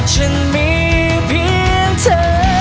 ฉันมีเพียงเธอ